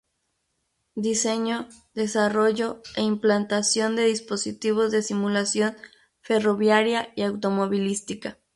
Diseño, desarrollo e implantación de dispositivos de simulación ferroviaria y automovilística.